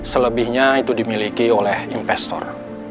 selebihnya itu dimiliki oleh investor